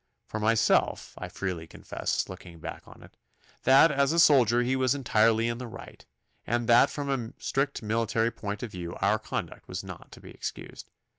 For myself, I freely confess, looking back on it, that as a soldier he was entirely in the right, and that from a strict military point of view our conduct was not to be excused.